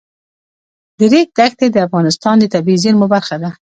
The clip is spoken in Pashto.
د ریګ دښتې د افغانستان د طبیعي زیرمو برخه ده.